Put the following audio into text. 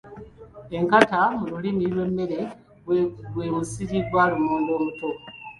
Enkata mu lulimi lw’emmere gwe musiri gwa lumonde omuto.